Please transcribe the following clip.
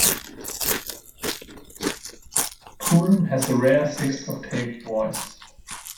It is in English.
Purim has a rare six-octave voice.